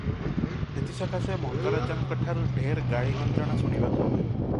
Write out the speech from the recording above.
ସେଥିସକାଶେ ମଙ୍ଗରାଜଙ୍କଠାରୁ ଢେର୍ ଗାଳି ଗଞ୍ଜଣା ଶୁଣିବାକୁ ହୁଏ ।